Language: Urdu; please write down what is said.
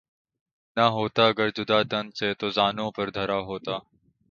نہ ہوتا گر جدا تن سے تو زانو پر دھرا ہوتا